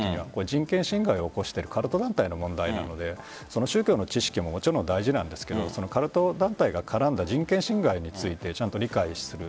人権侵害を起こしているカルト団体の問題なので宗教の知識も大事なんですがカルト団体が絡んだ人権侵害について理解する。